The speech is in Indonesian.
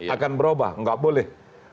akan berubah gak boleh